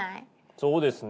そうですね。